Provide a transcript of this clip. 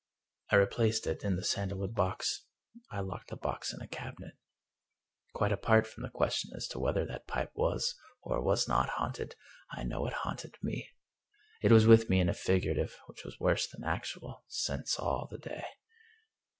I replaced it in the sandalwood box. I locked the box in a cabinet. Quite apart from the question as to whether that pipe was or was not haunted, I know it haunted me. It was with me in a figurative — ^which was worse than actual — sense all the day.